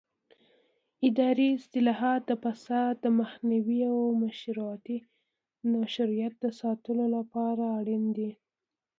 اداري اصلاحات د فساد د مخنیوي او مشروعیت د ساتلو لپاره اړین دي